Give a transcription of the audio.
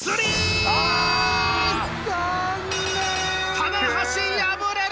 棚橋敗れる！